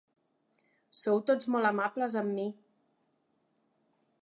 Sou tots molt amables amb mi.